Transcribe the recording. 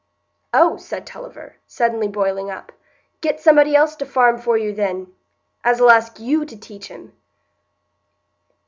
"Oh!" said Tulliver, suddenly boiling up; "get somebody else to farm for you, then, as'll ask you to teach him."